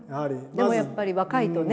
でもやっぱり若いとね